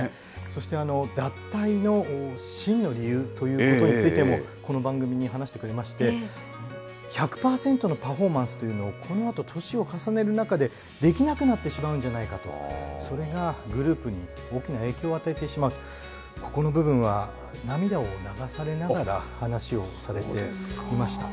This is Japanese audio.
そして脱退の真の理由ということについても、この番組に話してくれまして、１００％のパフォーマンスというのをこのあと歳を重ねる中で、できなくなってしまうんじゃないかと、それがグループに大きな影響を与えてしまう、ここの部分は涙を流されながら話をされていました。